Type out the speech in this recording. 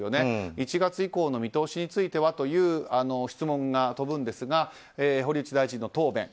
１月以降の見通しについてはという質問が飛ぶんですが堀内大臣の答弁。